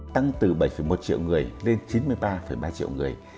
tăng từ bảy một triệu người lên chín mươi ba ba triệu người